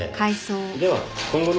では今後の。